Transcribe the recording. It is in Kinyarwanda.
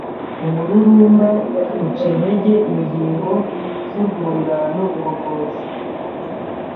Umururumba uca intege ingingo z’urwungano ngogozi,